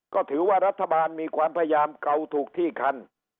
ก็ถือว่ารัฐบาลมีความพยายามเก่าถูกที่คัน